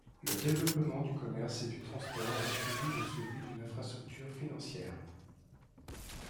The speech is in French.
Le développement du commerce et du transport est suivi de celui d'une infrastructure financière.